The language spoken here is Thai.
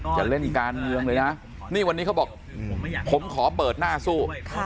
จะเล่นการเมืองเลยนะนี่วันนี้เขาบอกผมขอเปิดหน้าสู้